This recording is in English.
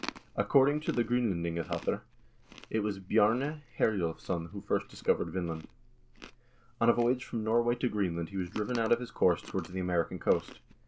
According to the "Gr0nlendingabattr," it was Bjarne Herjolvsson who first discovered Vinland. On a voyage from Norway to Green land he was driven out of his course towards the American coast.